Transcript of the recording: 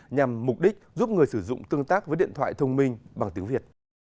nhằm mục đích giúp người sử dụng tương tác với điện thoại thông minh bằng tiếng việt